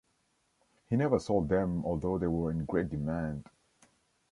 He never sold them although they were in great demand.